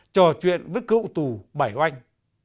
trò chuyện với cựu tù bảy oanh